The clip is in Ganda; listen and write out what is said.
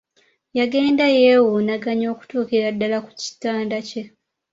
Yagenda yewuunaganaya okutuukira ddala ku kitanda kye.